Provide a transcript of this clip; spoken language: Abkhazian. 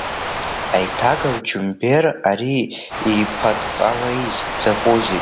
Аиҭагаҩ Џьумбер, ари иипатҟалеиз закәузеи?